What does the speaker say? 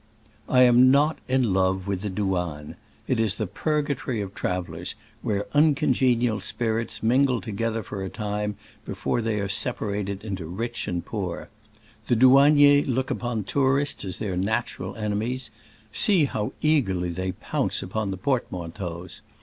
I am not in love with the douane. It is the purgatory of travelers, where un congenial spirits mingle together for a time before they are separated into rich and poor. The douaniers look upon tourists as their natural enemies : see how eagerly they pounce upon the port manteaus